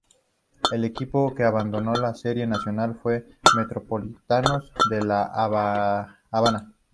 El equipo que abandonó la Serie Nacional fue Metropolitanos de La Habana.